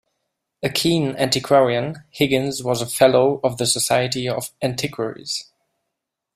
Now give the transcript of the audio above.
A keen antiquarian, Higgins was a Fellow of the Society of Antiquaries.